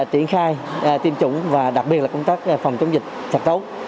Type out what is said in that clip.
tuyển khai tiêm chủng và đặc biệt là công tác phòng chống dịch sạch tấu